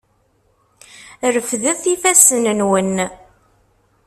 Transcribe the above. Refdet ifassen-nwen!